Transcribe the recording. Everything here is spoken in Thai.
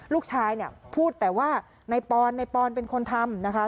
ลูกชายเนี่ยพูดแต่ว่าในปอนในปอนเป็นคนทำนะคะ